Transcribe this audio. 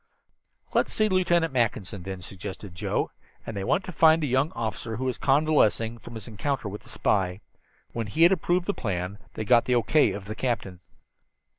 "Let's see Lieutenant Mackinson, then," suggested Joe, and they went to find the young officer who was convalescing from his encounter with the spy. When he had approved the plan they got the O. K. of the captain.